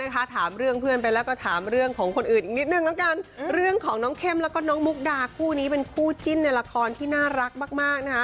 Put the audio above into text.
เป็นคู่จิ้นในละครที่น่ารักมากนะฮะ